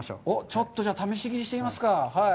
ちょっと、じゃあ、試し切りしてみますか。